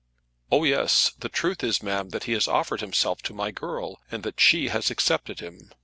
"Oh, yes. The truth is, ma'am, that he has offered himself to my girl, and that she has accepted him.